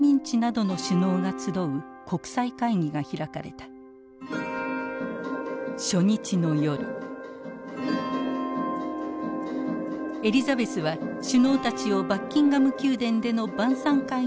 エリザベスは首脳たちをバッキンガム宮殿での晩餐会に招待する。